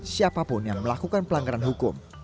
siapapun yang melakukan pelanggaran hukum